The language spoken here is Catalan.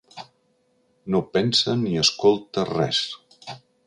No pensa ni escolta res.